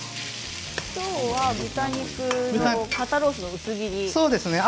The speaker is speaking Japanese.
今日は豚肉肩ロースの薄切りですが。